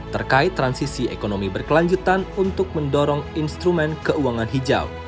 terkait transisi ekonomi berkelanjutan untuk mendorong instrumen keuangan hijau